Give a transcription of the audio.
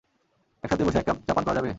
একসাথে বসে এক কাপ চা পান করা যাবে?